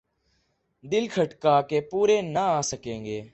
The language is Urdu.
دل کھٹکا کہ پورے نہ آسکیں گے ۔